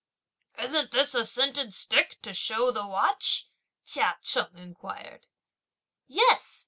"Isn't this a scented stick to show the watch?" Chia Cheng inquired. "Yes!"